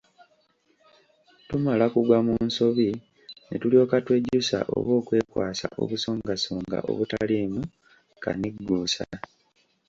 Tumala kugwa mu nsobi ne tulyoka twejjusa oba okwekwasa obusongasonga obutaliimu kanigguusa.